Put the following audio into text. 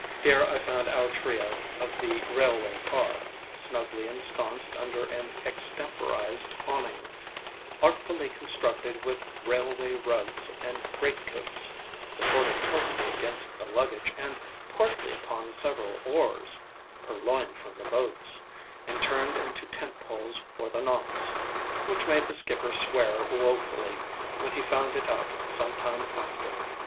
Here I found our trio of the railway car, snugly ensconced under an extemporized awning, artfully constructed with railway rugs and greatcoats, supported partly against the luggage, and partly upon several oars, purloined from the boats, and turned into tent poles for the nonceŌĆöwhich made the skipper swear wofully when he found it out some time after.